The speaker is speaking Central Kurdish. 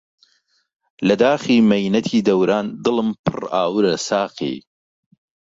لە داخی مەینەتی دەوران دلم پر ئاورە ساقی